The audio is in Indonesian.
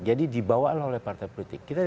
jadi dibawalah oleh partai politik